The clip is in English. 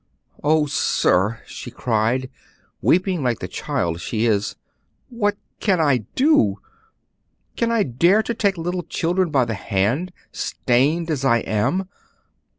'Oh, sir,' she cried, weeping like the child she is, 'what can I do? Can I dare to take little children by the hand, stained as I am?